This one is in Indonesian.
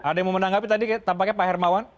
ada yang mau menanggapi tadi tampaknya pak hermawan